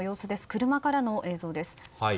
車からの映像です。